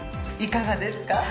いかがですか？